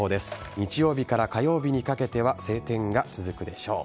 日曜日から火曜日にかけては晴天が続くでしょう。